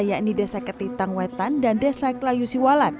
yakni desa ketitang wetan dan desa klayu siwalan